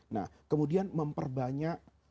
nah kemudian memperbanyak